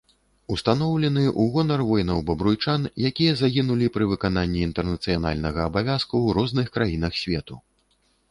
Устаноўлены ў гонар воінаў-бабруйчан, якія загінулі пры выкананні інтэрнацыянальнага абавязку ў розных краінах свету.